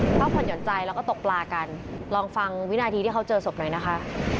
พักผ่อนหย่อนใจแล้วก็ตกปลากันลองฟังวินาทีที่เขาเจอศพหน่อยนะคะ